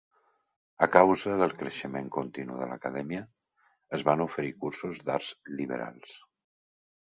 A causa del creixement continu de l'acadèmia, es van oferir cursos d'arts liberals.